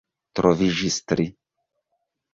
Troviĝis tri.